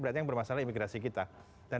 berarti yang bermasalah imigrasi kita dan